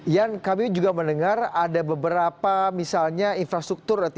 yan kami juga mendengar ada beberapa misalnya infrastruktur